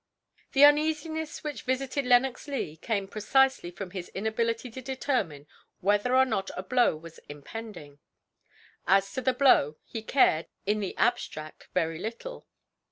The uneasiness which visited Lenox Leigh came precisely from his inability to determine whether or not a blow was impending. As to the blow, he cared, in the abstract, very little.